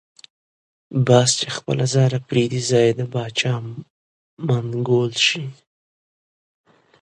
باز چی خپله ځاله پریږدی ځای یی دباچا منګول شی .